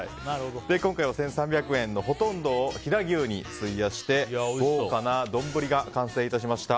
今回は１３００円のほとんどを飛騨牛に費やして豪華な丼が完成いたしました。